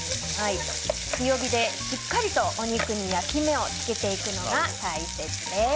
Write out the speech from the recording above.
強火でしっかりとお肉に焼き目をつけていくのが大切です。